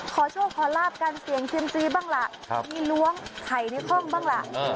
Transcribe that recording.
ขอโชคขอลาบการเสี่ยงเซียมซีบ้างล่ะมีล้วงไข่ในห้องบ้างล่ะ